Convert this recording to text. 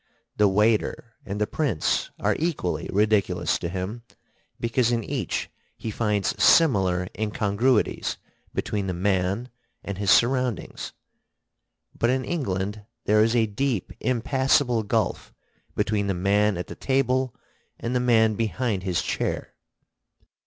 The waiter and the prince are equally ridiculous to him, because in each he finds similar incongruities between the man and his surroundings; but in England there is a deep impassable gulf between the man at the table and the man behind his chair.